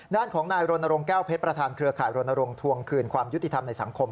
ด้านของนายรณรงค์แก้วเพชรประธานเครือข่ายรณรงค์ทวงคืนความยุติธรรมในสังคม